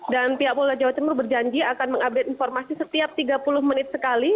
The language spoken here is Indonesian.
dan pihak paula jawa timur berjanji akan mengupdate informasi setiap tiga puluh menit sekali